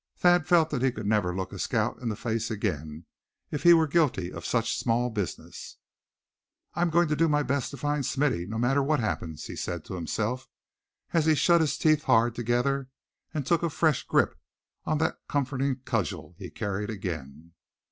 Thad felt that he could never look a scout in the face again if he were guilty of such small business. "I'm going to do my best to find Smithy, no matter what happens," he said to himself, as he shut his teeth hard together, and took a fresh grip on that comforting cudgel he carried again.